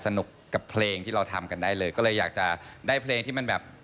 กับเพลงที่เราทำกันได้เลยก็เลยอยากจะได้เพลงที่มันแบบ